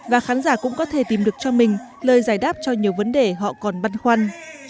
và khán giả cũng có thể tìm được cho mình lời giải đáp cho nhiều vấn đề họ còn băn khoăn